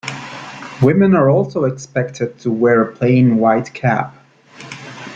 Women are also expected to wear a plain white cap.